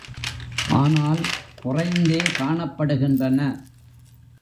ஆனால் குறைந்தே காணப்படுகின்றன.